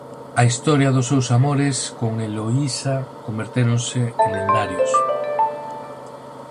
A historia dos seus amores con Heloísa convertéronse en lendarios.